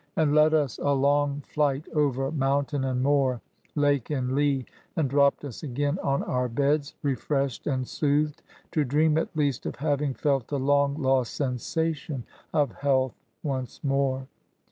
62 B88AY8. and led us a long flight over mountain and moor, lake and lea, and dropped us again on our beds, refreshed and soothed, to dream at least of haying felt the long lost sensation of health once more.